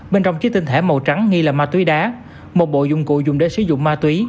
bên trong chứa tinh thể màu trắng nghi là ma túy đá một bộ dụng cụ dùng để sử dụng ma túy